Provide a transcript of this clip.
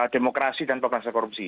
demokrasi dan pemerintah korupsi